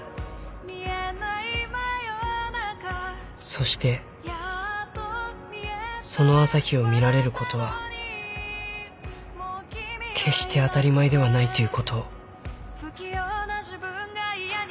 ［そしてその朝日を見られることは決して当たり前ではないということを］